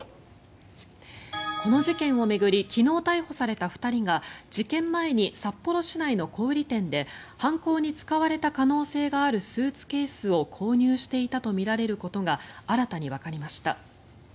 この事件を巡り昨日逮捕された２人が事件前に札幌市内の小売店で犯行に使われた可能性があるスーツケースを購入していたとみられることが新たにわかりました。